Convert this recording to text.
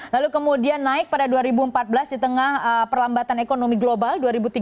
lalu kemudian naik pada dua ribu empat belas di tengah perlambatan ekonomi global dua ribu tiga belas